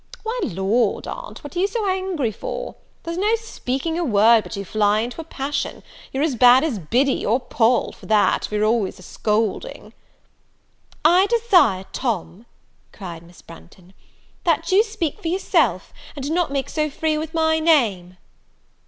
"Why, Lord, aunt, what are you so angry for? there's no speaking a word, but you fly into a passion: you're as bad as Biddy, or Poll, for that, for you're always a scolding." "I desire, Tom," cried Miss Branghton, "you'd speak for yourself, and not make so free with my name."